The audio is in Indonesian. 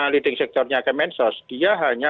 leading sectornya kemensos dia hanya